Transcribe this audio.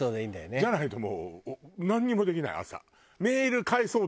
じゃないともうなんにもできない朝。